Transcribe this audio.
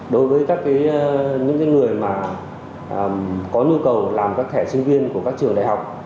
đối với các cái những cái người mà có nhu cầu làm các thẻ sinh viên của các trường đại học